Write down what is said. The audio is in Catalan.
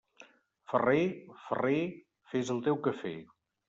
Ferrer, ferrer, fes el teu quefer.